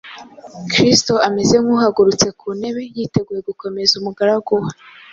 Kristo ameze nk’uhagurutse ku ntebe yiteguye gukomeza umugaragu we.